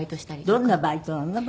どんなバイトなの？